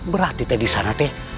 berarti teh disana